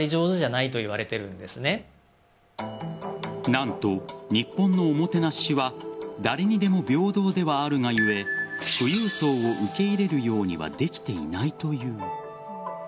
何と、日本のおもてなしは誰にでも平等ではあるが故富裕層を受け入れるようにはできていないという。